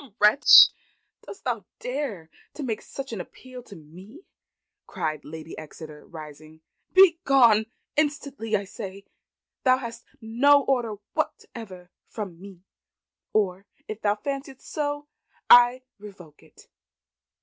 "Wretch! dost thou dare to make such an appeal to me?" cried Lady Exeter rising. "Begone, instantly, I say. Thou hast no order whatever from me; or if thou fanciest so, I revoke it."